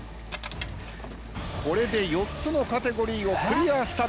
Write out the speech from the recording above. これで４つのカテゴリーをクリアしたＤＡＩＫＩ。